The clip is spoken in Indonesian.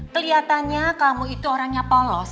kelihatannya kamu itu orangnya polos